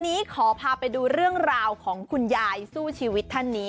วันนี้ขอพาไปดูเรื่องราวของคุณยายสู้ชีวิตท่านนี้